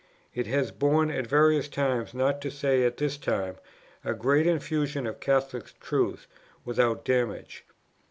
It has borne at various times, not to say at this time, a great infusion of Catholic truth without damage.